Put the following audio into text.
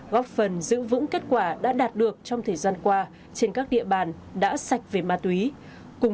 góp phần giữ vững kết quả đã đạt được trong thời gian qua trên các địa bàn đã sạch về ma túy